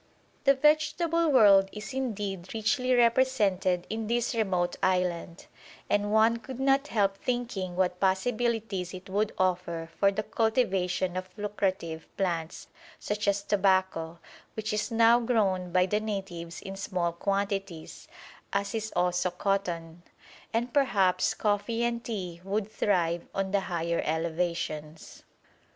The vegetable world is indeed richly represented in this remote island, and one could not help thinking what possibilities it would offer for the cultivation of lucrative plants, such as tobacco, which is now grown by the natives in small quantities, as is also cotton; and perhaps coffee and tea would thrive on the higher elevations.